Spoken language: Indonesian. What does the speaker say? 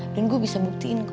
dan gue bisa buktiin